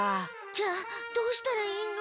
じゃあどうしたらいいの？